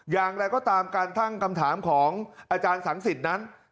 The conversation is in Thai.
อย่างไรก็ตามการตั้งคำถามของอาจารย์สังสิทธิ์นั้น